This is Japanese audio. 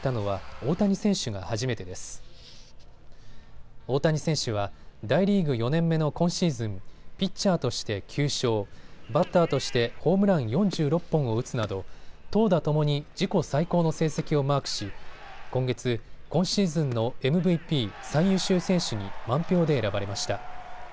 大谷選手は大リーグ４年目の今シーズン、ピッチャーとして９勝、バッターとしてホームラン４６本を打つなど投打ともに自己最高の成績をマークし今月、今シーズンのＭＶＰ・最優秀選手に満票で選ばれました。